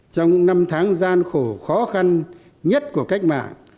trong những năm tháng gian khổ khó khăn nhất của cách mạng